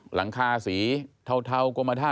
หลังคาสีเทากรมท่า